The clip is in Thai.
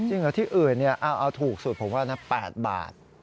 จริงเหรอที่อื่นเนี่ยเอาถูกสุดผมว่า๘บาท